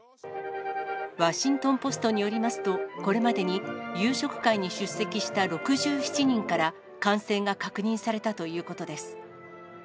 ワシントン・ポストによりますと、これまでに夕食会に出席した６７人から、感染が確認されたということです。